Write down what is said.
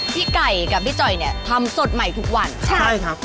พี่ไก่กับพี่จอยเนี่ยทำสดใหม่ทุกวันใช่ครับ